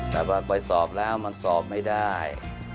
แต่ว่าไปสอบแล้วมันสอบไม่ได้